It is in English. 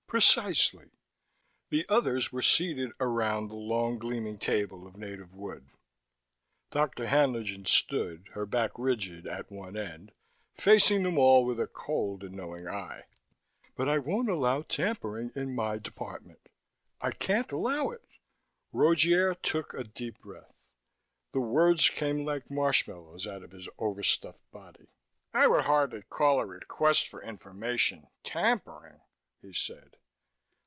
"Precisely." The others were seated around the long gleaming table of native wood. Dr. Haenlingen stood, her back rigid, at one end, facing them all with a cold and knowing eye. "But I won't allow tampering in my department. I can't allow it." Rogier took a deep breath. The words came like marshmallow out of his overstuffed body. "I would hardly call a request for information 'tampering'," he said.